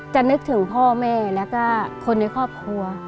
นึกถึงพ่อแม่แล้วก็คนในครอบครัว